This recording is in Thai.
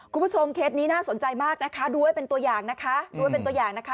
คุณผู้ชมเขตนี้น่าสนใจมากนะคะดูด้วยเป็นตัวอย่างนะคะ